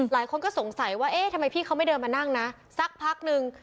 หลายคนก็สงสัยว่าเอ๊ะทำไมพี่เขาไม่เดินมานั่งนะสักพักนึง